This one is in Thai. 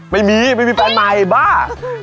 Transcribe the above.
ไม่มีไม่มีแฟนใหม่บ้า